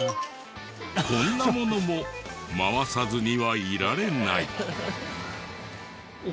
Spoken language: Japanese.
こんなものも回さずにはいられない。